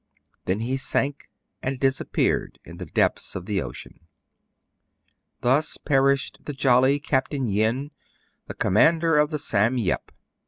Then he sank, and disappeared in the depths of the ocean. Thus perished the jolly Capt. Yin, the com mander of the '*Sam Yep."